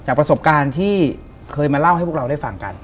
ประสบการณ์ที่เคยมาเล่าให้พวกเราได้ฟังกัน